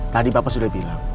tadi bapak sudah bilang